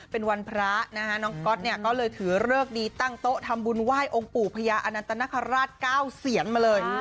เป็นวันพระนะคะน้องก๊อตเนี่ยก็เลยถือเลิกดีตั้งโต๊ะทำบุญไหว้องค์ปู่พญาอนันตนคราช๙เสียนมาเลย